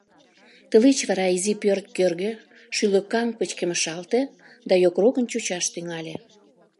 Тылеч вара изи пӧрт кӧргӧ шӱлыкаҥ пычкемышалте да йокрокын чучаш тӱҥале.